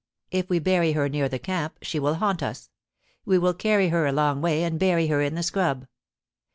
If we bury her near the camp, she will haunt us : we will carry her a long way and bury her in the scrub.'